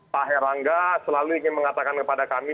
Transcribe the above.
pak herlangga selalu ingin mengatakan kepada kami